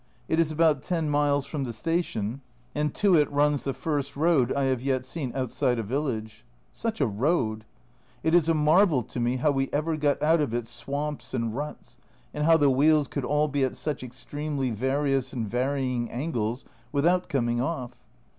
It is about ten miles from the station, and to it runs the first road I have yet seen outside a village. Such a road ! It is a marvel to me how we ever got out of its swamps and ruts, and how the wheels could all be at such extremely various and varying angles without coming off.